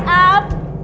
waktunya sudah habis